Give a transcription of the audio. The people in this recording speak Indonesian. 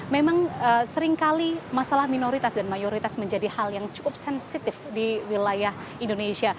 memang seringkali masalah minoritas dan mayoritas menjadi hal yang cukup sensitif di wilayah indonesia